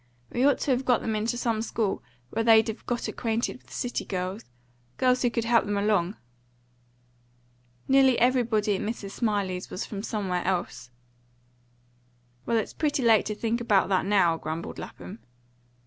We ought to have got them into some school where they'd have got acquainted with city girls girls who could help them along." "Nearly everybody at Miss Smillie's was from some where else." "Well, it's pretty late to think about that now," grumbled Lapham.